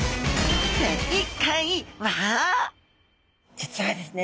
実はですね